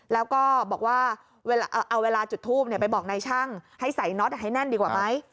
แล้วก็บอกว่าเอาเวลาจุดทูบไปบอกนายช่างให้ใส่น็อตให้แน่นดีกว่าไหม